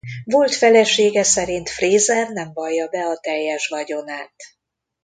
Volt felesége szerint Fraser nem vallja be a teljes vagyonát.